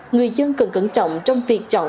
người dân cần cẩn trọng trong việc chọn